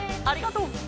ありがとう！